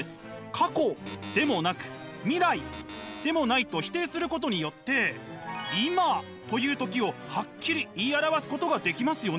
過去でもなく未来でもないと否定することによって「今」という時をハッキリ言い表すことができますよね。